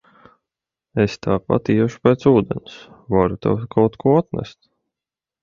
Es tāpat iešu pēc ūdens, varu tev kaut ko atnest.